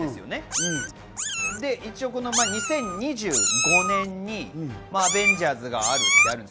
一応、２０２５年に『アベンジャーズ』があるんです。